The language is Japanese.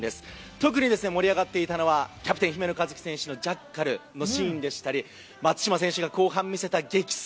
特に盛り上がっていたのは、キャプテン・姫野和樹選手のジャッカルのシーンでしたり、松島選手が後半見せた激走。